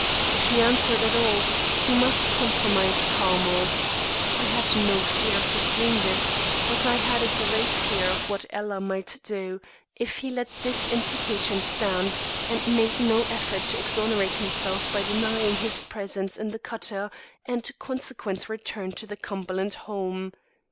If he answered at all, he must compromise Carmel. I had no fear of his doing this, but I had great fear of what Ella might do if he let this implication stand and made no effort to exonerate himself by denying his presence in the cutter, and consequent return to the Cumberland home.